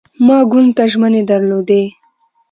ما ګوند ته ژمنې درلودې.